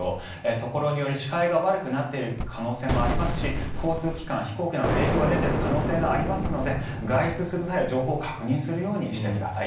ところにより視界が悪くなっている可能性もありますし交通機関、飛行機などに影響が出ている可能性がありますので外出する際は、情報を確認するようにしてください。